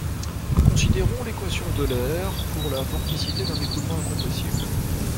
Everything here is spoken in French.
Considérons l'équation d'Euler pour la vorticité d'un écoulement incompressible